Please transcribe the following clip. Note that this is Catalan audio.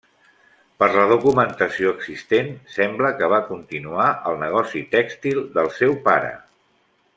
Per la documentació existent, sembla que va continuar el negoci tèxtil del seu pare.